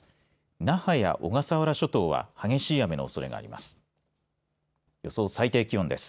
那覇や小笠原諸島は激しい雨のおそれがあります。